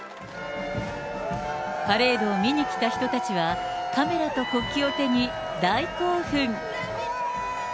パレードを見に来た人たちは、カメラと国旗を手に大興奮。